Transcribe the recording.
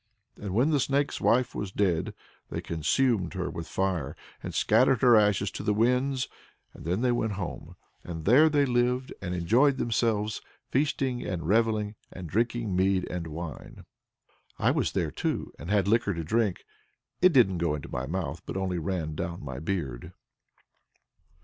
And when the Snake's Wife was dead they consumed her with fire, and scattered her ashes to the winds. And then they went home, and there they lived and enjoyed themselves, feasting and revelling, and drinking mead and wine. I was there, too, and had liquor to drink; it didn't go into my mouth, but only ran down my beard.